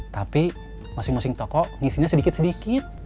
tapi masing masing toko ngisinya sedikit sedikit